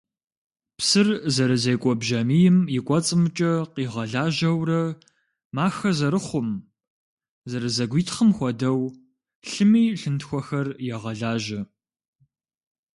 Псыр зэрызекӏуэ бжьамийм и кӏуэцӏымкӏэ къигъэлажьэурэ махэ зэрыхъум, зэрызэгуитхъым хуэдэу, лъыми лъынтхуэхэр егъэлажьэ.